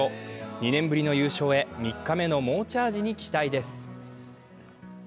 ２年ぶりの優勝へ３日目の猛チャージに期待です。